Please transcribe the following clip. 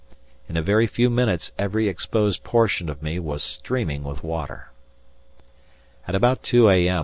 In a very few minutes every exposed portion of me was streaming with water. At about 2 a.m.